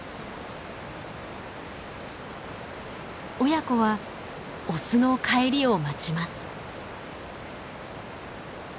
親子はオスの帰りを待ちます。